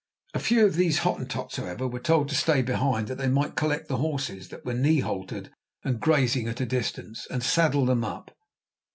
A few of these Hottentots, however, were told to stay behind that they might collect the horses, that were knee haltered and grazing at a distance, and saddle them up.